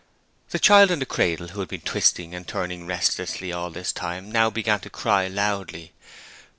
The child in the cradle who had been twisting and turning restlessly all this time now began to cry loudly.